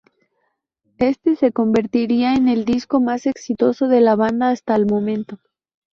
Este se convertiría en el disco más exitoso de la banda hasta el momento.